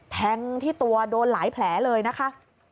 แทงที่ตัวโดนหลายแผลเลยนะคะ